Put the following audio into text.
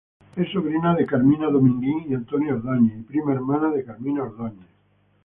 Es sobrina de Carmina Dominguín y Antonio Ordóñez y prima hermana de Carmina Ordóñez.